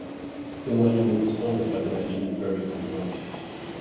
The monument was funded by the Benjamin Ferguson Fund.